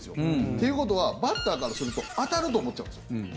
ということはバッターからすると当たると思っちゃうんですよ。